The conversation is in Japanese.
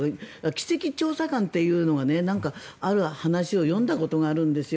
奇跡調査官というのがある話を読んだことがあるんですよ。